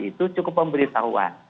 itu cukup pemberitahuan